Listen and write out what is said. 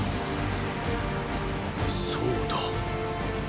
そうだ。